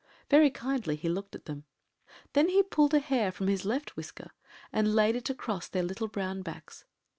Very kindly he looked at them. Then he pulled a hair from his left whisker and laid it across their little brown backs.